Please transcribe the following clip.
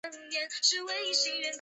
也结束的航点也会展示在这页面。